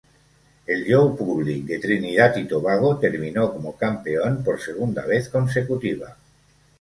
El Joe Public de Trinidad y Tobago terminó como campeón por segunda vez consecutiva.